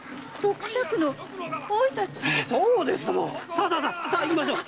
さあさあ行きましょう！